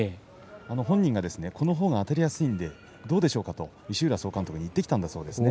本人はこのほうがあたりやすいのでどうでしょうかと石浦総監督に言ってきたそうですね。